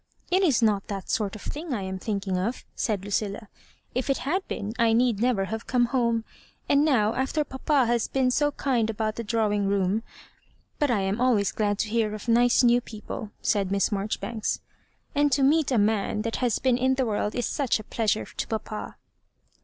" It is not that sort of thing I am thinking of)" said Lucilla; " if it had been, I need never have come home; and now, after papa has been so* kind about the drawing room ; but I am always glad to hear of nice new people," said Miss Marjoribanks; "and to meet a man that has been in the world is such a pleasure to papa."